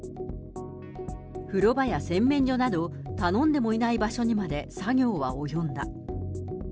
風呂場や洗面所など、頼んでもいない場所にまで作業は及んだ。